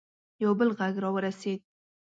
یو بل غږ راورسېد.